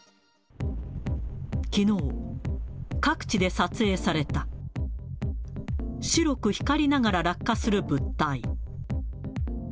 きのう、各地で撮影された、白く光りながら落下する物体。